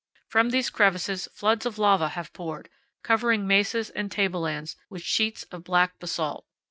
From these crevices floods of lava have poured, covering mesas and table lands with sheets of black basalt.